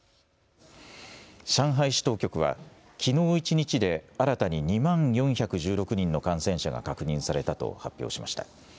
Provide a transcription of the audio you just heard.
上海市当局はきのう一日で新たに２万４１６人の感染者が確認されたと発表しました。